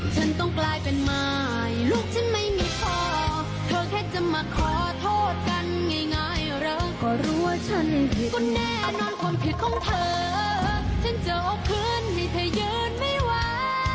ฉันต้องกลายเป็นหมายลูกฉันไม่มีพ่อเธอแค่จะมาขอโทษกันง่ายเราก็รู้ว่าฉันก็แน่นอนความผิดของเธอฉันจะเอาคืนให้เธอยืนไม่ไหว